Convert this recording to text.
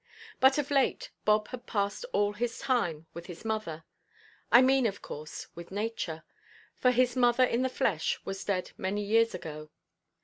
But of late Bob had passed all his time with his mother—I mean, of course, with Nature; for his mother in the flesh was dead many a year ago.